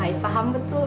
ayu paham betul